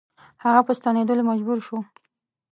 هغه په ستنېدلو مجبور شو.